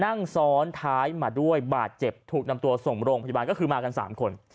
นั่งซ้อนท้ายมาด้วยบาดเจ็บถูกนำตัวส่งโรงพยาบาลก็คือมากัน๓คน